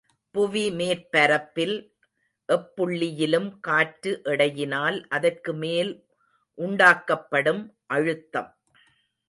புவிமேற்பரப்பில் எப்புள்ளியிலும் காற்று எடையினால் அதற்கு மேல் உண்டாக்கப்படும் அழுத்தம்.